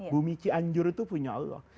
bumi cianjur itu punya allah